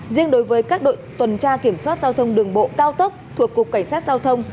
riêng đối với các đội tuần tra kiểm soát giao thông đường bộ cao tốc thuộc cục cảnh sát giao thông